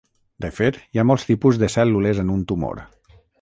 De fet hi ha molts tipus de cèl·lules en un tumor.